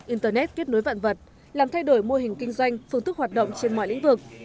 internet kết nối vạn vật làm thay đổi mô hình kinh doanh phương thức hoạt động trên mọi lĩnh vực